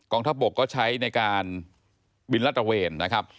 ทัพบกก็ใช้ในการบินลาดตระเวนนะครับ